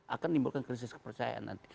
akan menimbulkan krisis kepercayaan nanti